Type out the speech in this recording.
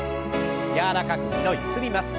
柔らかく２度ゆすります。